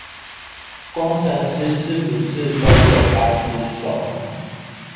工程師是不是都有八隻手